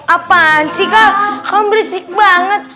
apaan sih kak kamu berisik banget